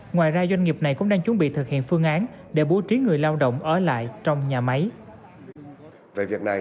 ngoài ra doanh nghiệp này cũng đang chuẩn bị thực hiện phương án để bố trí người lao động ở lại trong nhà máy